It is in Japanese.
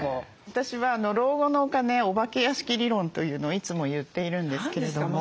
私は老後のお金お化け屋敷理論というのをいつも言っているんですけれども。